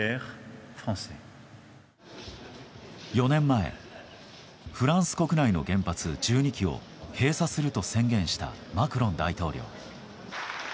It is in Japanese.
４年前、フランス国内の原発１２基を閉鎖すると宣言したマクロン大統領。